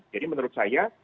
jadi menurut saya